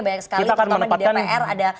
banyak sekali terutama di dpr ada